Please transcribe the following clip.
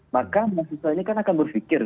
maka mahasiswa ini kan akan berpikir